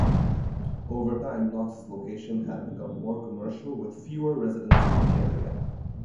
Over time, Knox's location had become more commercial with fewer residents in the area.